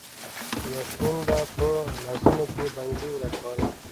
یاسمین به په لاسونو کې بنګړي وراچول.